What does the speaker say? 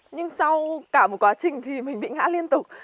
nhưng sau cả một quá trình thì mình bị ngã liên tục